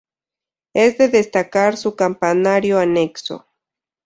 Es de destacar su campanario anexo.